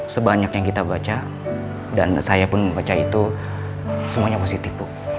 sebanyak yang kita baca dan saya pun membaca itu semuanya positif